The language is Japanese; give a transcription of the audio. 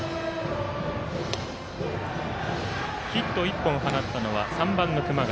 ヒット１本放ったのは３番の熊谷。